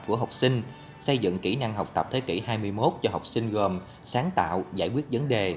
của học sinh xây dựng kỹ năng học tập thế kỷ hai mươi một cho học sinh gồm sáng tạo giải quyết vấn đề